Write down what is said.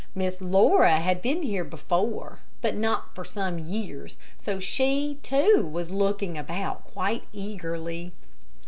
Miss Laura had been here before, but not for some years, so she, too, was looking about quite eagerly.